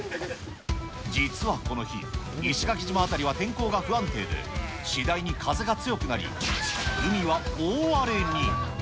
実はこの日、石垣島辺りは天候が不安定で、次第に風が強くなり、海は大荒れに。